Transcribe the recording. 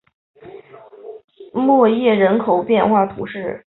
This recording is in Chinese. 默耶人口变化图示